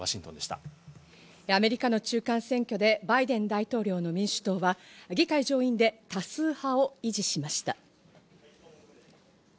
アメリカの中間選挙でバイデン大統領の民主党は議会上院で多数派を維持しました。